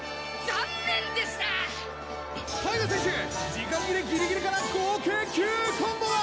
時間切れギリギリから合計９コンボだ！